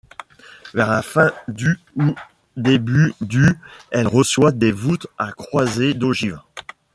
Vers la fin du ou début du elle reçoit des voûtes à croisées d’ogives.